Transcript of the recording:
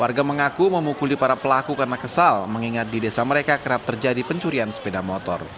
warga mengaku memukuli para pelaku karena kesal mengingat di desa mereka kerap terjadi pencurian sepeda motor